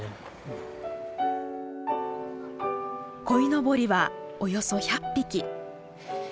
鯉のぼりはおよそ１００匹。